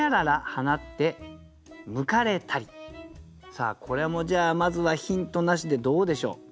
さあこれもじゃあまずはヒントなしでどうでしょう？